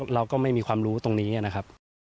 เราก็ไม่มีความรู้ตรงนี้นะครับ